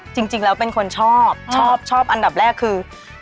จริงแล้วเป็นคนชอบชอบอันดับแรกคือ